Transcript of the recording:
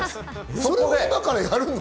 それを今からやるの？